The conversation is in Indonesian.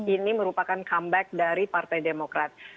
ini merupakan comeback dari partai demokrat